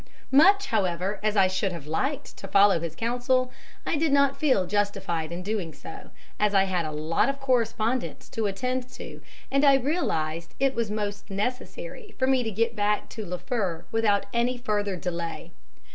"Much, however, as I should have liked to follow his counsel, I did not feel justified in doing so, as I had a lot of correspondence to attend to, and I realized it was most necessary for me to get back to Liffre without any further delay.